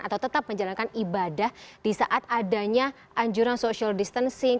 atau tetap menjalankan ibadah di saat adanya anjuran social distancing